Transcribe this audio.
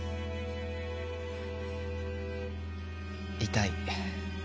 痛い。